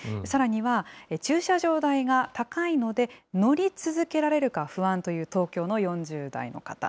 さらには、駐車場代が高いので、乗り続けられるか不安という東京の４０代の方。